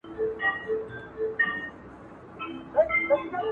خلاصې پرېږدي بې ځوابه،